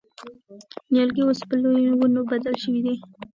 نیالګي اوس په لویو ونو بدل شوي دي.